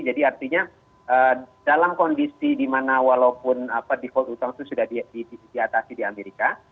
jadi artinya dalam kondisi dimana walaupun default utang itu sudah diatasi di amerika